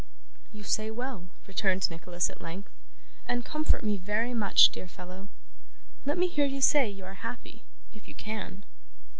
'You say well,' returned Nicholas at length, 'and comfort me very much, dear fellow. Let me hear you say you are happy, if you can.